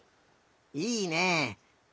いいね！